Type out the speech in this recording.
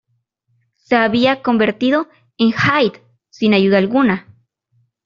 Se había convertido en Hyde sin ayuda alguna.